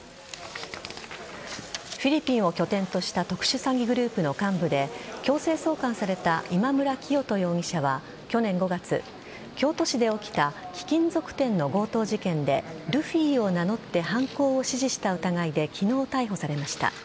フィリピンを拠点とした特殊詐欺グループの幹部で強制送還された今村磨人容疑者は去年５月京都市で起きた貴金属店の強盗事件でルフィを名乗って犯行を指示した疑いで昨日逮捕されました。